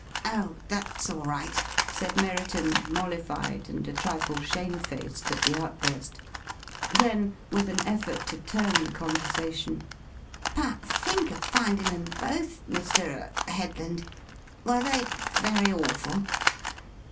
"Oh, that's all right," said Merriton, mollified, and a trifle shamefaced at the outburst. Then, with an effort to turn the conversation: "But think of findin' 'em both, Mr. er Headland! Were they very awful?"